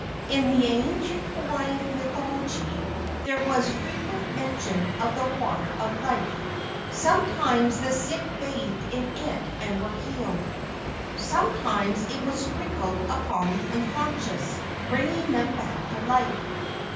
In the ancient Hawaiian mythology there was frequent mention of "the water of life." Some¬ times the sick bathed in it and were healed. Sometimes it was sprinkled upon the unconscious, bringing them back to life.